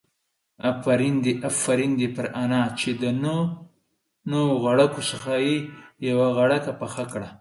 آفرين دي پر انا چې د نو غړکو څخه يې يوه غړکه پخه کړه.